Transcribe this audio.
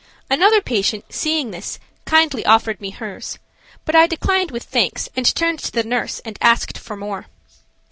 Another patient, seeing this, kindly offered me hers, but I declined with thanks and turned to the nurse and asked for more.